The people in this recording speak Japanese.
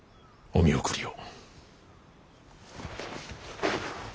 お見送りを。